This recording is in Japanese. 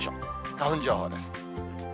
花粉情報です。